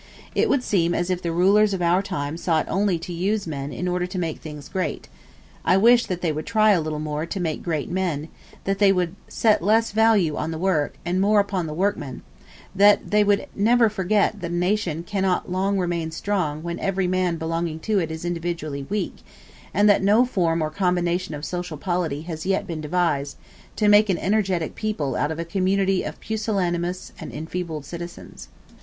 It would seem as if the rulers of our time sought only to use men in order to make things great; I wish that they would try a little more to make great men; that they would set less value on the work, and more upon the workman; that they would never forget that a nation cannot long remain strong when every man belonging to it is individually weak, and that no form or combination of social polity has yet been devised, to make an energetic people out of a community of pusillanimous and enfeebled citizens.